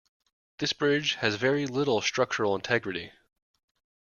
This bridge has very little structural integrity.